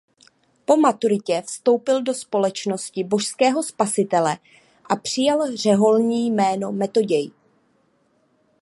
Po maturitě vstoupil do Společnosti Božského Spasitele a přijal řeholní jméno Metoděj.